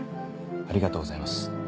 ありがとうございます。